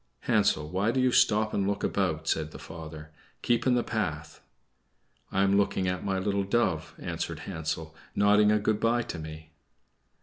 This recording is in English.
"Hansel, why do you stop and look about?" said the father. "Keep in the path." "I am looking at my little dove," answered Hansel, "nodding a good bye to me."